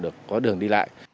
được có đường đi lại